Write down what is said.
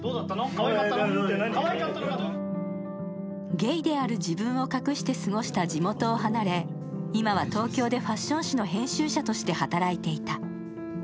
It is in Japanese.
ゲイである自分を隠して過ごした地元を離れ今は東京でファッション誌の編集者として働いていた。